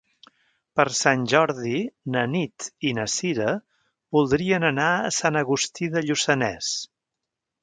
Per Sant Jordi na Nit i na Sira voldrien anar a Sant Agustí de Lluçanès.